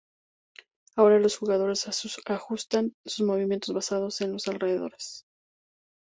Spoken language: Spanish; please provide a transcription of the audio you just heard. Ahora, los jugadores ajustan sus movimientos basados en los alrededores.".